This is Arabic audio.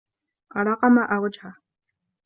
أراق ماء وجهه